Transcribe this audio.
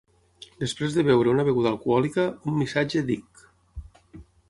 Després de beure una beguda alcohòlica, un missatge d'Hic!